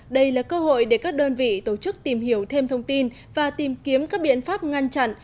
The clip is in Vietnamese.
đây là cơ hội để các đơn vị tổ chức tìm hiểu thêm thông tin và tìm kiếm các biện pháp ngăn chặn